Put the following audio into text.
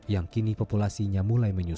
yang kini populasinya mulai menyusun